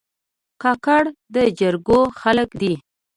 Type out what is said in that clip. کاکړ د جرګو خلک دي.